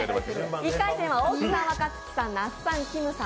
１回戦は大木さん、若槻さん、那須さん、きむさん